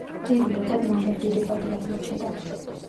ტივი მეტად მანევრირებადი აღმოჩნდა.